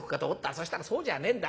そしたらそうじゃねえんだ。